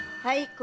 はい。